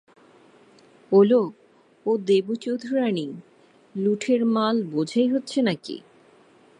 ওলো, ও দেবীচৌধুরানী, লুঠের মাল বোঝাই হচ্ছে নাকি?